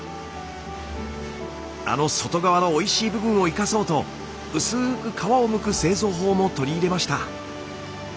あの外側のおいしい部分を生かそうと薄く皮をむく製造法も取り入れました。